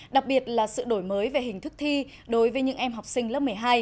đặc biệt là sự đổi mới về hình thức thi đối với những em học sinh lớp một mươi hai